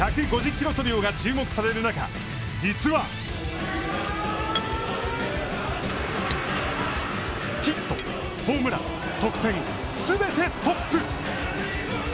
キロトリオが注目される中、実はヒット、ホームラン、得点全てトップ！